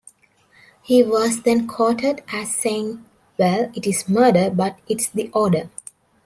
He was then quoted as saying Well, it is murder, but it's the order.